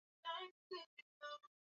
Au kwenda wasaili, wenyewe walo pangani,